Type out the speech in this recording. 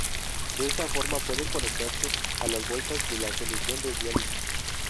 De esta forma puede conectarse a las bolsas de solución de diálisis.